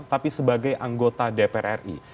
tapi sebagai anggota dpr ri